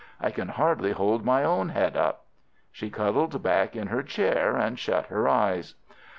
I can hardly hold my own head up." She cuddled back in her chair and shut her eyes.